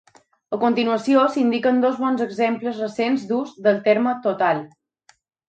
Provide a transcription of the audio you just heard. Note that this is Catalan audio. A continuació s'indiquen dos bons exemples recents d'ús del terme 'total'.